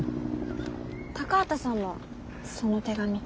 高畑さんもその手紙。